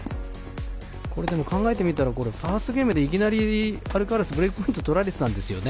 これ、でも考えてみたらファーストゲームでいきなりアルカラス、ブレークポイント取られてたんですよね。